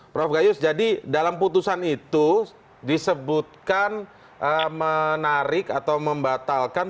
prof gayus jadi dalam putusan itu disebutkan menarik atau membatalkan